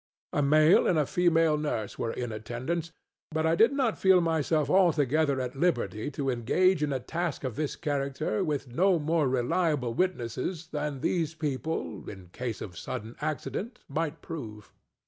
A male and a female nurse were in attendance; but I did not feel myself altogether at liberty to engage in a task of this character with no more reliable witnesses than these people, in case of sudden accident, might prove.